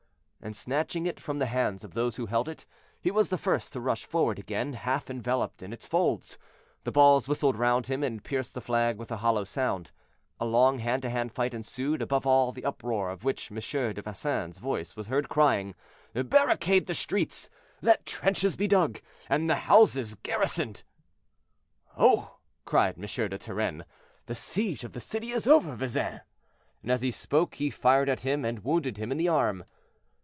And snatching it from the hands of those who held it, he was the first to rush forward again, half enveloped in its folds. The balls whistled round him, and pierced the flag with a hollow sound. A long hand to hand fight ensued, above all the uproar of which M. de Vezin's voice was heard crying, "Barricade the streets! let trenches be dug! and the houses garrisoned!" "Oh!" cried M. de Turenne, "the siege of the city is over, Vezin." And as he spoke he fired at him and wounded him in the arm.